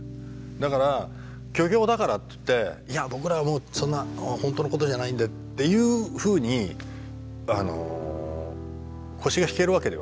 だから虚業だからっていって「いや僕らはもうそんな本当のことじゃないんで」っていうふうに腰が引けるわけではなくて。